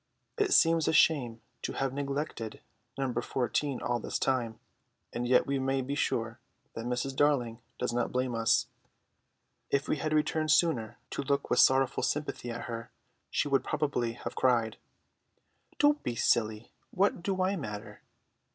It seems a shame to have neglected No. 14 all this time; and yet we may be sure that Mrs. Darling does not blame us. If we had returned sooner to look with sorrowful sympathy at her, she would probably have cried, "Don't be silly; what do I matter?